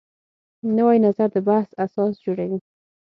نوی نظر د بحث اساس جوړوي